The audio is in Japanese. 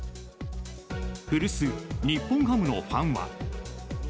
古巣、日本ハムのファンは。